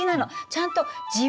ちゃんとえ。